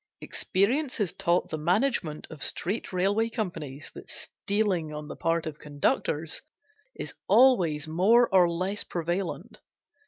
Experience has taught the management of street railway companies that stealing on the part of conductors is always more or less prevalent.